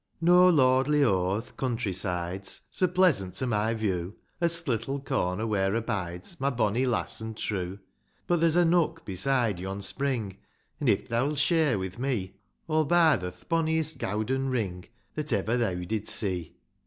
II. No lordly ho' o'th country side's So pleasant to my view, As th' little corner where abides My bonny lass an' true ; But there's a nook beside yon spring,— An* if theaw'U share't wi' me ; Aw'll buy tho th' bonny'st gowden ring That ever theaw did see